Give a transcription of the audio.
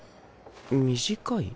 短い？